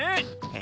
え？